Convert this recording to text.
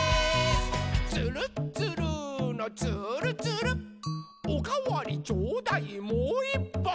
「つるっつるーのつーるつる」「おかわりちょうだいもういっぱい！」